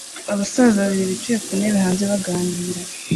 Abasaza babiri bicaye ku ntebe hanze baganira